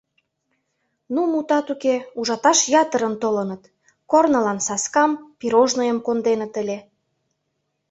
Ну, мутат уке, ужаташ ятырын толыныт, корнылан саскам, пирожныйым конденыт ыле.